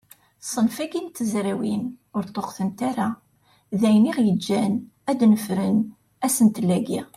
Ṣṣenf-agi n tezrawin ur yeṭṭuqet ara, d ayen aɣ-yeǧǧen ad d-nefren asentel-agi.